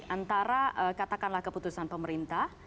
antara katakanlah keputusan pemerintah